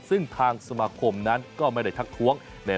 ซึ่งทางสมาคมนั้นก็ไม่ได้ทักท้วง